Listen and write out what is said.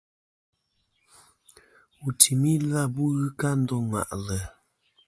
Wù n-tùmi ɨlvâ bu ghɨ kɨ a ndô ŋwàʼlɨ̀.